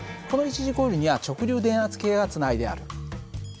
この一次コイルには直流電圧計がつないである。